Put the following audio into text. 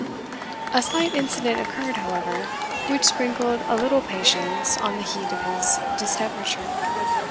A slight incident occurred, however, which sprinkled a little patience on the heat of his distemperature.